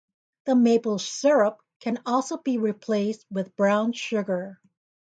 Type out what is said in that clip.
The maple syrup can also be replaced with brown sugar.